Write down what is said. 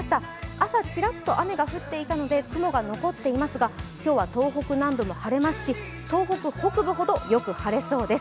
朝ちらっと雨が降っていたので雲が残っていますが、今日は東北南部も晴れますし東北北部ほどよく晴れそうです。